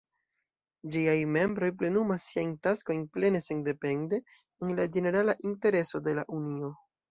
Ĝiaj membroj plenumas siajn taskojn plene sendepende, en la ĝenerala intereso de la Unio.